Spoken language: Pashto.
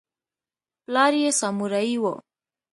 پلار یې سامورايي و.